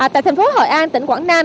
tại thành phố hội an tỉnh quảng nam